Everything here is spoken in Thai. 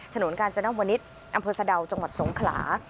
ถนนกาญจนวนิษฐ์อำเภอสะดาวจังหวัดสงขลา